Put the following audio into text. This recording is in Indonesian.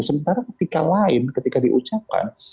sementara ketika lain ketika diucapkan